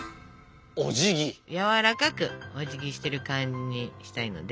やわらかくおじぎしてる感じにしたいので。